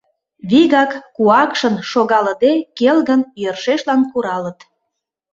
Вигак, куакшын шогалыде, келгын, йӧршешлан куралыт.